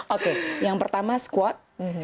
oke yang pertama squat